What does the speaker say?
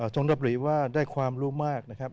ทรงดับหรือว่าได้ความรู้มากนะครับ